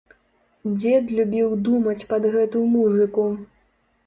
Дзед любіў думаць пад гэту музыку.